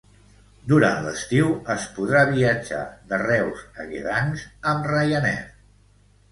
Durant l'estiu es podrà viatjar de Reus a Gdansk amb Ryanair.